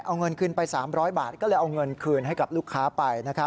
เอาเงินคืนไป๓๐๐บาทก็เลยเอาเงินคืนให้กับลูกค้าไป